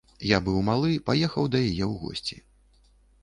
Я быў малы, паехаў да яе ў госці.